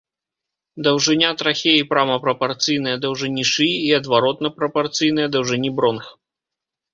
Даўжыня трахеі прама прапарцыйная даўжыні шыі і адваротна прапарцыйная даўжыні бронх.